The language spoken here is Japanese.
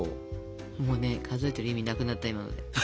もうね数えている意味なくなった今ので。